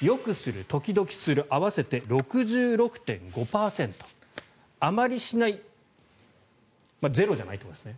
よくする、時々する合わせて６６．５％あまりしない０じゃないですね